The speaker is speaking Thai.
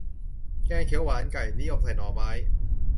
แกงเขียวหวานไก่ นิยมใส่หน่อไม้